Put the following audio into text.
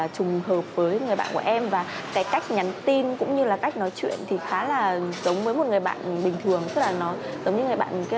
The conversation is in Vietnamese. trùng hợp với người bạn của em và cái cách nhắn tin cũng như là cách nói chuyện thì khá là giống với một người bạn bình thường